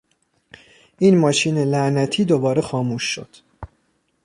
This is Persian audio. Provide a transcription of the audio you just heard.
این ماشین لعنتی دوباره خاموش شد!